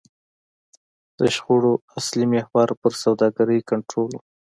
د شخړو اصلي محور پر سوداګرۍ کنټرول و.